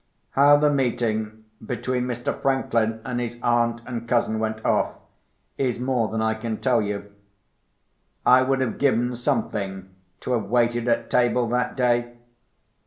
How the meeting between Mr. Franklin and his aunt and cousin went off, is more than I can tell you. I would have given something to have waited at table that day.